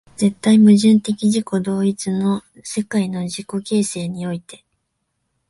絶対矛盾的自己同一の世界の自己形成において、